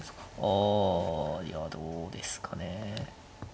あいやどうですかね。